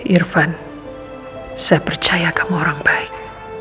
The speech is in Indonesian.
irfan saya percaya kamu orang baik